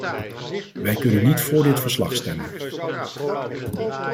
Wij kunnen niet voor dit verslag stemmen.